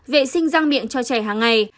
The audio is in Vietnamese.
vệ sinh răng miệng cho trẻ hàng ngày